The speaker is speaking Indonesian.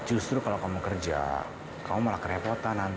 assalamualaikum pak riko